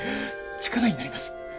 力になります。